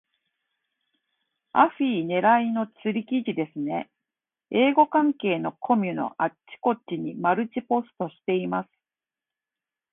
アフィ狙いの釣り記事ですね。英語関係のコミュのあちこちにマルチポストしています。